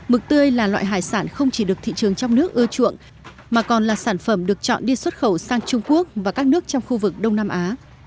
mực tươi là loại hải sản không chỉ được thị trường trong nước ưa chuộng mà còn là sản phẩm được chọn đi xuất khẩu sang trung quốc và các nước trong khu vực đông nam á